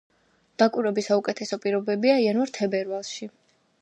დაკვირვების საუკეთესო პირობებია იანვარ-თებერვალში.